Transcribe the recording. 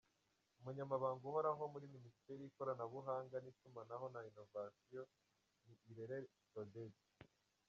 Umunyamabanga uhoraho muri Ministeri y’ikoranabuhanga n’itumanaho na inovasiyo ni Irere Claudette